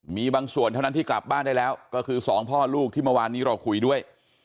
มีบางส่วนเท่านั้นที่กลับบ้านได้แล้วก็คือสองพ่อลูกที่เมื่อวานนี้เราคุยด้วย